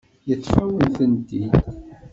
Yeṭṭef-awen-tent-id.